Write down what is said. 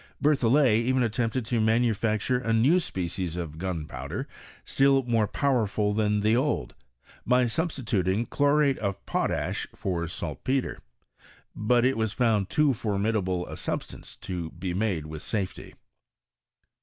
Bep* thollet even attempted to manufacture a new spedeS of gunpowder still more powerful than the old, bj substituting chlorate of potash for saltpetre ; but It was found too formidable a substance to be made with safety.